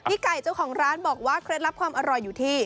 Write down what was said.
ไก่เจ้าของร้านบอกว่าเคล็ดลับความอร่อยอยู่ที่